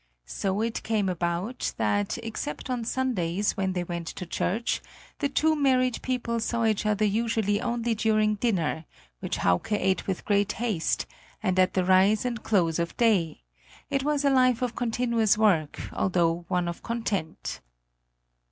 So it came about that, except on Sundays, when they went to church, the two married people saw each other usually only during dinner, which Hauke ate with great haste, and at the rise and close of day; it was a life of continuous work, although one of content.